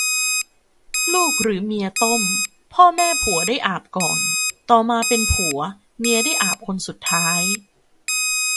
ลูกหรือเมียต้ม พ่อแม่ผัวได้อาบก่อน ต่อมาเป็นผัว เมียได้อาบคนสุดท้าย